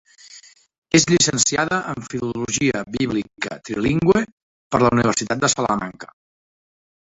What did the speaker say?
És llicenciada en Filologia Bíblica Trilingüe per la Universitat de Salamanca.